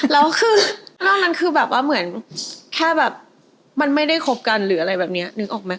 แล้วคือนอกนั้นคือแบบว่าเหมือนแค่แบบมันไม่ได้คบกันหรืออะไรแบบนี้นึกออกไหม